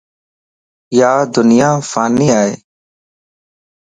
يادنيا فاني ائي